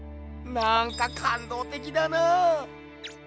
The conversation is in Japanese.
なんかかんどうてきだなぁ！